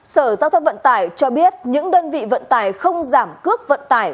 sở giao thông vận tải cho biết những đơn vị vận tải không giảm cước vận tải